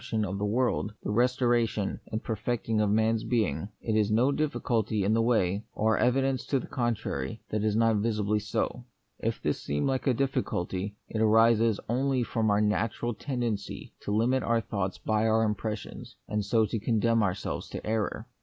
23 tion of the world, the restoration and perfect ing of man's being, it is no difficulty in the way, or evidence to the contrary, that it is not visibly so. If this seem like a difficulty, it arises only from our natural tendency to limiO our thoughts by our impressions, and so to / condemn ourselves to error.